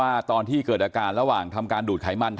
อันนี้มันต้องมีเครื่องชีพในกรณีที่มันเกิดเหตุวิกฤตจริงเนี่ย